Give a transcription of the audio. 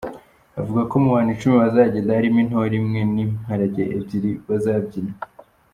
Avuga ko mu bantu icumi bazagenda harimo intore imwe n’imparage ebyiri bazabyina.